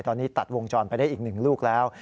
ตอนนี้ตัดวงจรไปได้อีก๑ลูกแล้ว